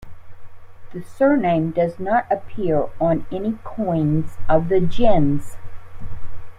The surname does not appear on any coins of the gens.